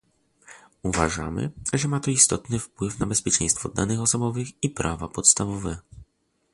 Uważamy, że ma to istotny wpływ na bezpieczeństwo danych osobowych i prawa podstawowe